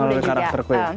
melalui karakterku ya